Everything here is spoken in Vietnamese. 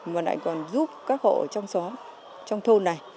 mà lại còn giúp các hộ ở trong xóm trong thôn này